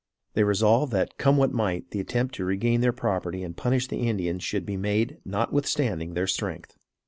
They resolved that come what might the attempt to regain their property and punish the Indians should be made notwithstanding their strength.